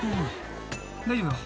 ［大丈夫よ］